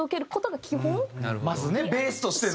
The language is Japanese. まずねベースとしての。